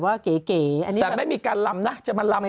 ตะเคียนรักแป้งมาก